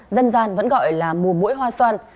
dân gian vẫn gọi là mùa mũi hoa xoan